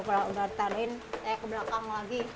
kalau udah ditaruh kebelakangin lagi